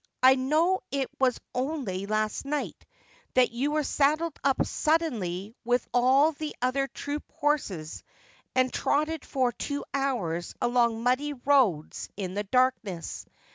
I know it was only last night that you were saddled up suddenly with all the other troop horses and trotted for two hours along muddy roads in the darkness.